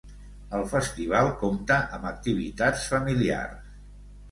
El festival compta amb activitats familiars.